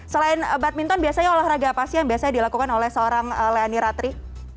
selain badminton biasanya olahraga apa sih yang biasanya dilakukan oleh seorang leani ratri